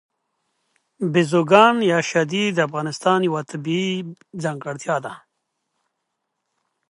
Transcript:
بزګان د افغانستان یوه طبیعي ځانګړتیا ده.